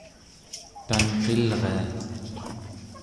tanqilria